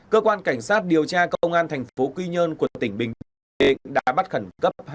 cơ quan cảnh sát điều tra công an thành phố quy nhơn của tỉnh bình định đã bắt khẩn cấp